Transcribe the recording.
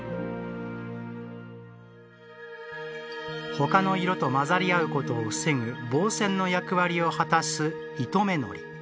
他の色と混ざり合うことを防ぐ防染の役割を果たす糸目糊。